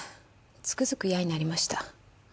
つくづく嫌になりました。